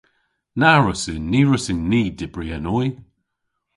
Na wrussyn. Ny wrussyn ni dybri an oy.